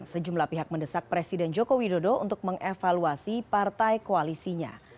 sejumlah pihak mendesak presiden joko widodo untuk mengevaluasi partai koalisinya